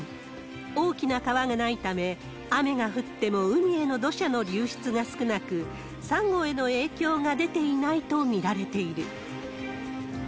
大きな川がないため、雨が降っても海への土砂の流出が少なく、サンゴへの影響が出ていないと見られている。